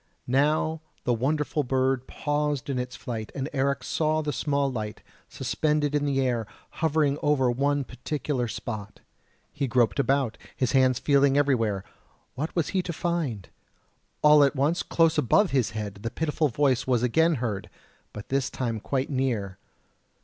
Now the wonderful bird paused in its flight, and Eric saw the small light, suspended in the air, hovering over one particular spot: he groped about, his hands feeling everywhere what was he to find? All at once, close above his head the pitiful voice was again heard, but this time quite near.